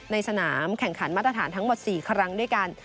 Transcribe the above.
ในสนามแข่งขันมาตรฐานทั้งหมด๔ครั้งด้วยกัน